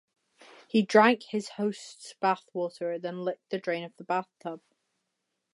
He drank his host's bathwater and then licked the drain of the bathtub.